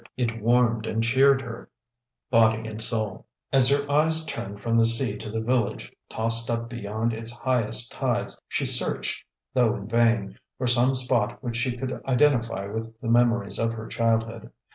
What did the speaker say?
It warmed and cheered her, body and soul. As her eyes turned from the sea to the village tossed up beyond its highest tides, she searched, though in vain, for some spot which she could identify with the memories of her childhood.